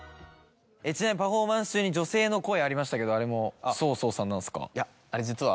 ちなみにパフォーマンス中に女性の声ありましたけどあれもＳＯ−ＳＯさんなんですか？